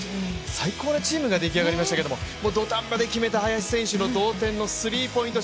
最高なチームができあがりましたけど土壇場で決めた林選手の同点のスリーポイント